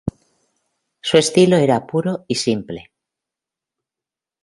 Su estilo era puro y simple.